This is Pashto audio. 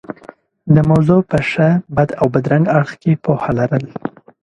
د موضوع په ښه، بد او بدرنګه اړخ کې پوهه لرل.